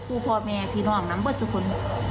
คู่พ่อแม่พี่น้องน้ำเบอร์เจ้าคน